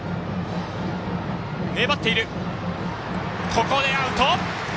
ここでアウト！